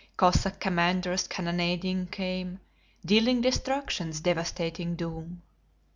Cossack commanders cannonading come, Dealing destruction's devastating doom.